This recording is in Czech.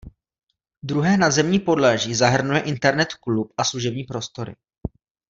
Druhé nadzemní podlaží zahrnuje Internet klub a služební prostory.